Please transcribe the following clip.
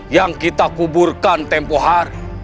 yang kita kuburkan tempoh hari